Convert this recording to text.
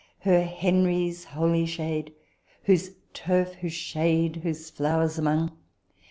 " Her Henry's holy shade." " Whose turf, whose shade, whose flowers among."